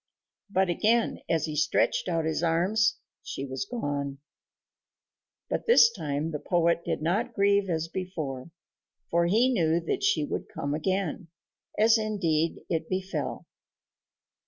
But again, as he stretched out his arms, she was gone. But this time the poet did not grieve as before, for he knew that she would come again, as indeed it befell.